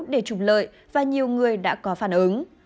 để trục lợi và nhiều người đã có phản ứng